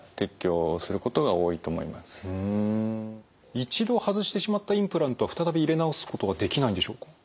一度外してしまったインプラントは再び入れ直すってことはできないんでしょうか？